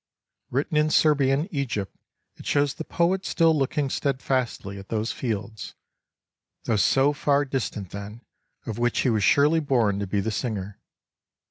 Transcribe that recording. Written in Ser bia and Egypt, it shows the poet still looking steadfastly at those fields, though so far distant then, of which he was surely born to be the singer.